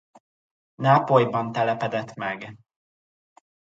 Nápolyban telepedett meg.